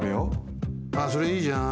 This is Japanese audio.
ああそれいいじゃん。